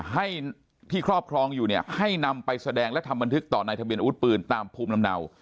ให้ที่ครอบครองอยู่เนี่ยให้นำไปแสดงและทำบันทึกต่อในทะเบียนอาวุธปืนตามภูมิลำเนา